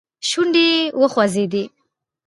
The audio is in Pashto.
شونډي يې وخوځېدې.